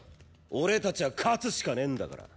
俺たちは勝つしかねえんだから。